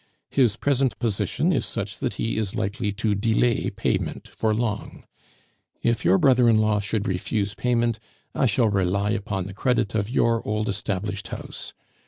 His present position is such that he is likely to delay payment for long. If your brother in law should refuse payment, I shall rely upon the credit of your old established house.